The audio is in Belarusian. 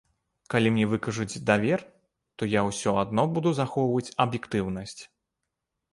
Калі мне выкажуць давер, то я ўсё адно буду захоўваць аб'ектыўнасць.